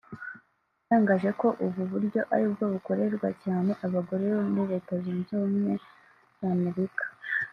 yatangaje ko ubu buryo aribwo bukorerwa cyane abagore bo muri Leta Zunze Ubumwe za Amerika